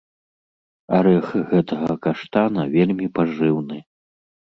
Арэх гэтага каштана вельмі пажыўны.